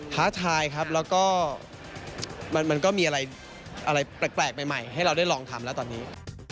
ท้าทายครับแล้วก็มันก็มีอะไรแปลกใหม่ให้เราได้ลองทำแล้วตอนนี้